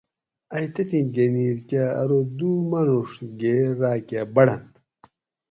ائی تتھی گھنیر کہ ارو دُو مانوڛ گھر راکہ بڑنت